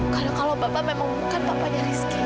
karena kalau bapak memang bukan bapaknya rizky